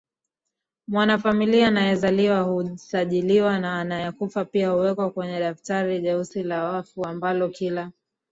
mwanafamilia anayezaliwa husajiliwa na anayekufa pia huwekwa kwenye daftari ljeusi la wafu ambalo kila